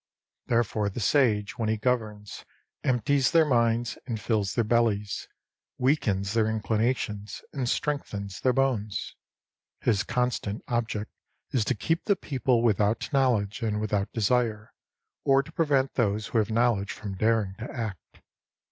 Therefore the Sage, when he governs, empties their minds and fills their bellies, weakens their inclinations and strengthens their bones. His constant object is to keep the people without knowledge and without desire, or to prevent those who have knowledge from daring to act.